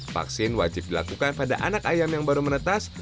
vaksin wajib dilakukan pada anak ayam yang baru menetas